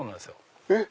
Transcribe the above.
えっ